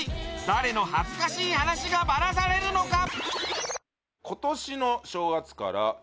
誰の恥ずかしい話がバラされるのか？